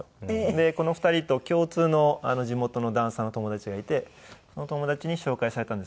でこの２人と共通の地元のダンサーの友達がいてその友達に紹介されたんですけど。